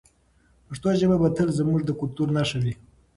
پښتو ژبه به تل زموږ د کلتور نښه وي.